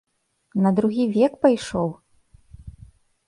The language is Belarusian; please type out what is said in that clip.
На другі век пайшоў?